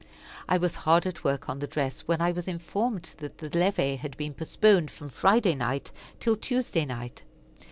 I was hard at work on the dress, when I was informed that the levee had been postponed from Friday night till Tuesday night.